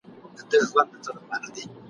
زما د مورکۍ د الاهو ماته آشنا کلی دی ..